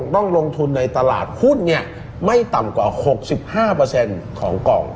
ต้องลงทุนในตลาดหุ้นไม่ต่ำกว่า๖๕ของกล่อง